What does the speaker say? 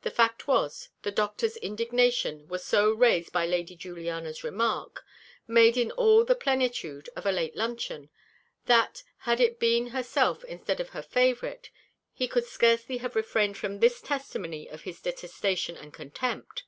The fact was, the Doctor's indignation was so raised by Lady Juliana's remark, made in all the plenitude of a late luncheon, that, had it been herself instead of her favourite, he could scarcely have refrained from this testimony of his detestation and contempt.